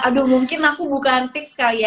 aduh mungkin aku bukan tips kali ya